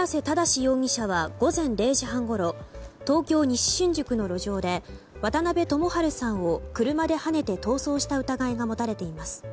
正容疑者は午前０時半ごろ東京・西新宿の路上で渡辺知晴さんを車ではねて逃走した疑いが持たれています。